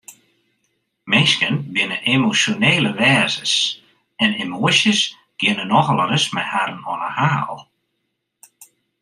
Minsken binne emosjonele wêzens en emoasjes geane nochal ris mei harren oan 'e haal.